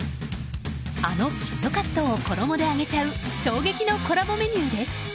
あのキットカットを衣で揚げちゃう衝撃のコラボメニューです。